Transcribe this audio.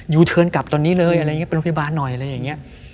ยูเทิร์นกลับตอนนี้เลยอะไรอย่างนี้ไปโรงพยาบาลหน่อยอะไรอย่างนี้